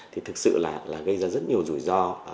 thì thực sự là gây ra rất nhiều rủi ro